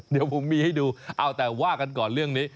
เดี๋ยวผมมีให้ดูเอาแต่ว่ากันก่อนเรื่องนี้